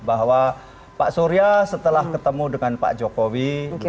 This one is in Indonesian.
bahwa pak surya setelah ketemu dengan pak jokowi